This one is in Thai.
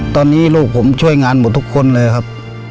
ตอนนี้ลูกผมช่วยงานหมดทุกคนเลยครับ